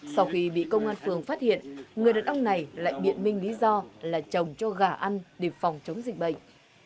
sau khi bị công an phường phát hiện người đàn ông này lại biện minh lý do là chồng cho gà ăn để phòng chống dịch bệnh